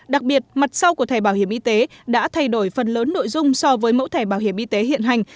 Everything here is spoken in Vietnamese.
đặc biệt mặt sau của thẻ bảo hiểm y tế đã thay đổi phần lớn nội dung so với mẫu thẻ bảo hiểm y tế hiện hành